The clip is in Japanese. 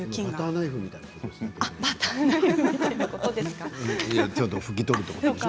バターナイフみたいなね。